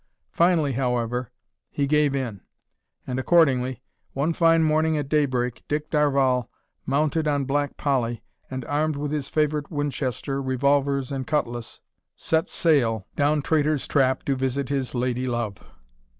Finally, however, he gave in; and accordingly, one fine morning at daybreak, Dick Darvall, mounted on Black Polly, and armed with his favourite Winchester, revolvers, and cutlass, "set sail" down Traitor's Trap to visit his lady love!